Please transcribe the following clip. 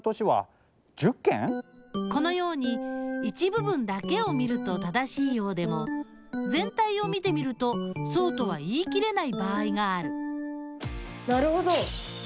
このように一部分だけを見ると正しいようでもぜん体を見てみるとそうとは言い切れない場合があるなるほど！